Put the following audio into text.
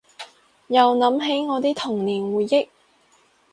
又諗起我啲童年回憶